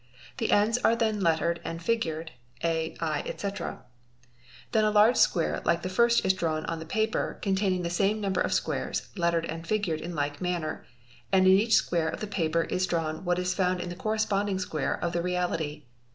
The ends are then lettered and figured (4, J, etc). Then % large square like the first is drawn on the paper, containing the sam¢ number of squares, lettered and figured in like manner, and in oacl square of the paper is drawn what is found in the corresponding squar of the reality.